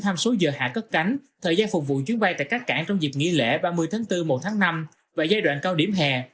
tham số giờ hạ cất cánh thời gian phục vụ chuyến bay tại các cảng trong dịp nghỉ lễ ba mươi tháng bốn một tháng năm và giai đoạn cao điểm hè